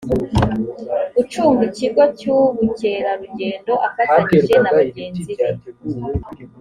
ucunga ikigo cy’ubukerarugendo afatanyije na bagenzi be